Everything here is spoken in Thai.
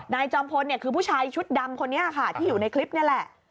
จอมพลเนี่ยคือผู้ชายชุดดำคนนี้ค่ะที่อยู่ในคลิปนี่แหละ